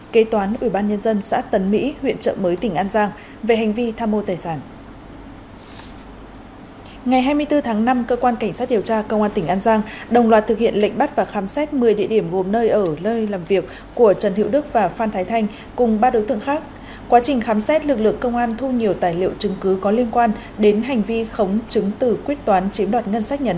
kế toán ủy ban nhân dân xã tấn mỹ huyện trợ mới tỉnh an giang về hành vi tham mô tài sản